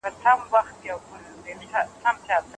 د طبیعي منابعو دوامداره کارونه د راتلونکو نسلونو لپاره مهم دی.